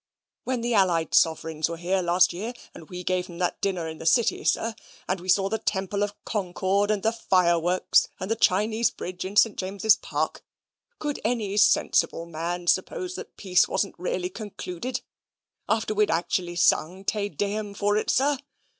When the allied sovereigns were here last year, and we gave 'em that dinner in the City, sir, and we saw the Temple of Concord, and the fireworks, and the Chinese bridge in St. James's Park, could any sensible man suppose that peace wasn't really concluded, after we'd actually sung Te Deum for it, sir?